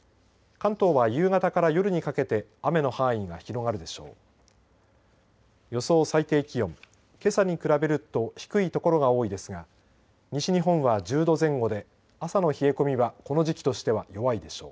関東は夕方から夜にかけて雨の範囲が広がるでしょう。